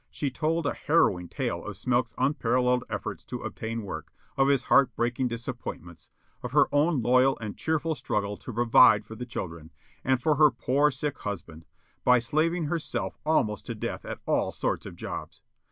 She told a harrowing tale of Smilk's unparalleled efforts to obtain work; of his heart breaking disappointments; of her own loyal and cheerful struggle to provide for the children, and for her poor sick husband, by slaving herself almost to death at all sorts of jobs.